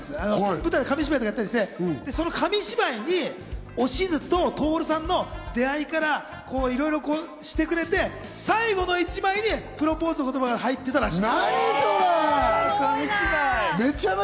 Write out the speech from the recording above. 舞台で紙芝居とかやってて、その紙芝居におしずと達さんの出会いからいろいろしてくれて、最後の一枚でプロポーズの言葉が入ってたらしい。